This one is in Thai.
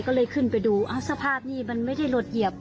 ก็เลยขึ้นไปดูสภาพนี่มันไม่ได้หลดเหยียบ